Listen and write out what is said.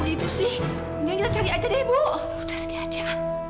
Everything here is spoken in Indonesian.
itu sih nyanyi aja deh bu udah segi aja